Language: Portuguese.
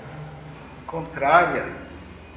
contrária